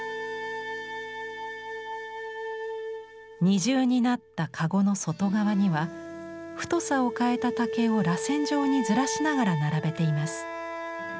二重になった籠の外側には太さを変えた竹をらせん状にずらしながら並べています。